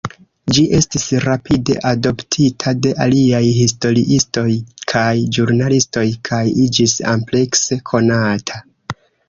Ĝi estis rapide adoptita de aliaj historiistoj kaj ĵurnalistoj kaj iĝis amplekse konata.